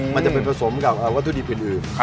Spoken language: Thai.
มันจะเป็นผสมกับตู้ดีเป็นอื่น